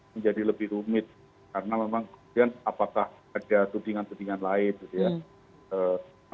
menjadi lebih rumit karena memang kemudian apakah ada tudingan tudingan lain gitu ya